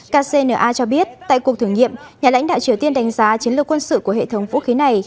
kcna cho biết tại cuộc thử nghiệm nhà lãnh đạo triều tiên đánh giá chiến lược quân sự của hệ thống vũ khí này